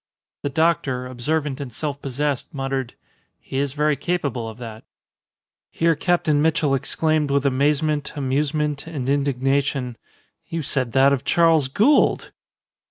The doctor, observant and self possessed, muttered, "He is very capable of that." Here Captain Mitchell exclaimed with amazement, amusement, and indignation, "You said that of Charles Gould!"